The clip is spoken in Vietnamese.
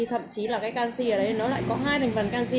thậm chí là cái canxi ở đấy nó lại có hai thành phần canxi